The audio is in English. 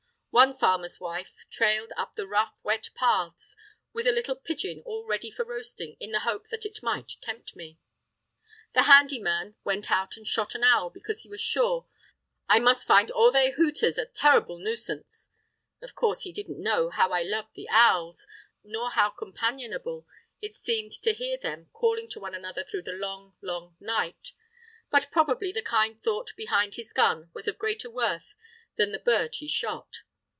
One farmer's wife trailed up the rough, wet paths, with a little pigeon all ready for roasting, in the hope that it might tempt me. The handy man went out and shot an owl because he was sure I must find all they hooters a turr'ble noosance. Of course he didn't know how I love the owls, nor how companionable it seemed to hear them calling to one another through the long, long night. But probably the kind thought behind his gun was of greater worth than the bird he shot.